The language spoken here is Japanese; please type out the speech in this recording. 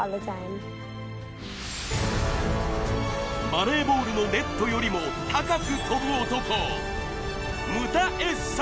バレーボールのネットよりも高く跳ぶ男ムタ・エッサ・